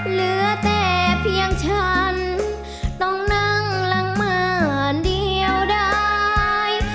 เหลือแต่เพียงฉันต้องนั่งหลังบ้านเดียวได้